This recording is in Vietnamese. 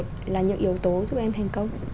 nó sẽ là những yếu tố giúp em thành công